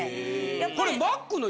これ。